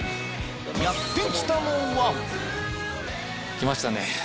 来ましたね